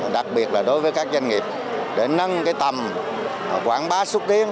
đặc biệt là đối với các doanh nghiệp để nâng tầm quảng bá xúc tiến